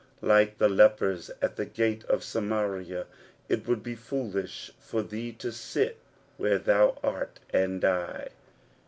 Like the lepers at the gate of Samaria, it would be foolish for thee to sit where thou art, and die.